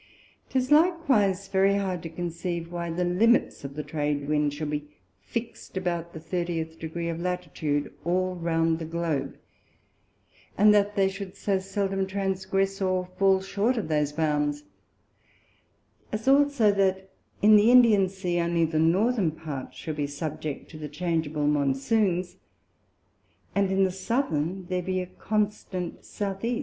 'Tis likewise very hard to conceive why the limits of the Trade wind should be fixt, about the thirtieth Degree of Latitude all round the Globe; and that they should so seldom transgress or fall short of those bounds; as also that in the Indian Sea, only the Northern Part should be subject to the changeable Monsoons, and in the Southern there be a constant S. E.